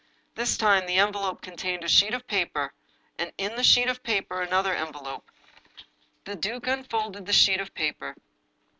This time the envelope contained a sheet of paper, and in the sheet of paper another envelope. The duke unfolded the sheet of paper.